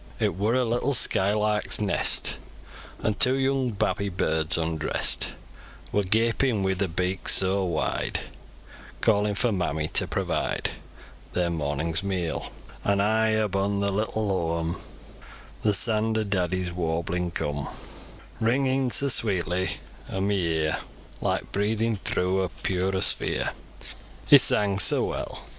It wor a little skylark's nest, An' two young babby burds, undrest, Wor gapin wi' ther beaks soa wide, Callin' for mammy to provide Ther mornin's meal; An' high aboon ther little hooam, Th' saand o' daddy's warblin coom, Ringin' soa sweetly o' mi ear, Like breathins thro' a purer sphere, He sang soa weel.